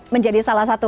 menjadi salah satu